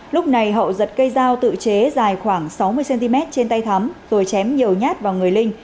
lúc này hậu giật cây dao tự chế dài khoảng sáu mươi cm trên tay thắm rồi chém nhiều nhát vào người linh